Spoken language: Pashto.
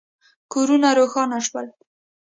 کورونه روښانه شول.